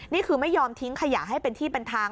นี่คือไม่ยอมทิ้งขยะให้เป็นที่เป็นทาง